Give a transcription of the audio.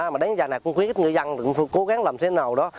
mà đến giờ này cũng khuyến khích người dân cố gắng làm thế nào đó